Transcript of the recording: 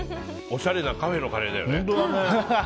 おしゃれなカフェのカレーだよね。